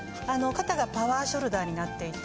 肩がパワーショルダーになっていて。